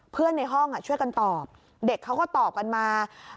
ในห้องช่วยกันตอบเด็กเขาก็ตอบกันมา